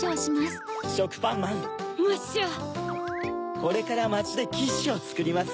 これからまちでキッシュをつくります。